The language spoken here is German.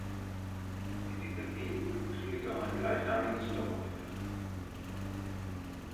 In dieser Gegend liegt auch ein gleichnamiges Dorf.